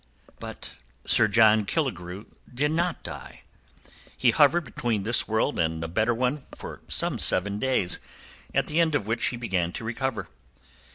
But Sir John Killigrew did not die. He hovered between this world and a better one for some seven days, at the end of which he began to recover.